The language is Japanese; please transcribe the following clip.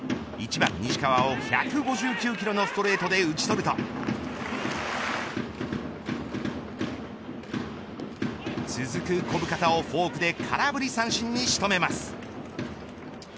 １番西川を１５９キロのストレートで打ち取ると続く小深田をフォークで空振り三振に仕留めます。